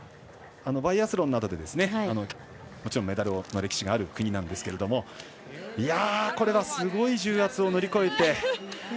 バイアスロンなどでもちろんメダルの歴史がある国なんですけどこれはすごい重圧を乗り越えて。